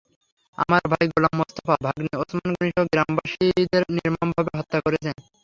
আমার ভাই গোলাম মোস্তফা, ভাগনে ওসমান গনিসহ গ্রামবাসীদের নির্মমভাবে হত্যা করেছেন।